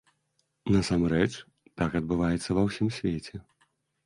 Насамрэч, так адбываецца ва ўсім свеце.